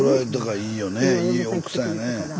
いい奥さんやねえ。